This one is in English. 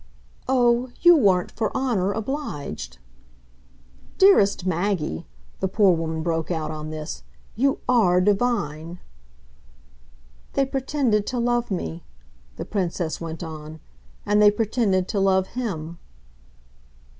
"Oh, you weren't, for honour, obliged." "Dearest Maggie," the poor woman broke out on this, "you ARE divine!" "They pretended to love me," the Princess went on. "And they pretended to love HIM."